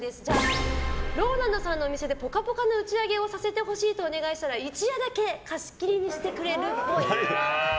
ＲＯＬＡＮＤさんのお店で「ぽかぽか」の打ち上げをさせてほしいとお願いしたら一夜だけ貸切にしてくれるっぽい。